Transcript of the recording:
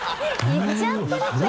いっちゃってますね」